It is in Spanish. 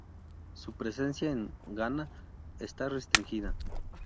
Su presencia en Ghana está registrada.